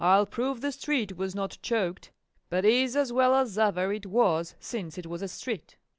I'll prove the street was not choked, but is as well as ever it was since it was a street.